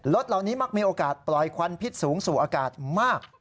รถเหล่านี้มักมีโอกาสปล่อยควันพิษสูงสู่อากาศมาก